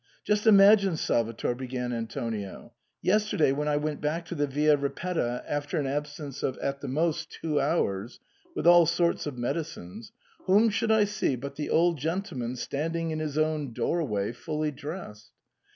" Just imagine, Salvator," began Antonio, " yesterday when I went back to the Via Ripetta after an absence of at the most two hours, with all sorts of medicines, whom should I see but the old gentleman standing in his own doorway fully dressed.